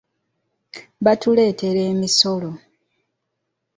Baatuleetera emisolo.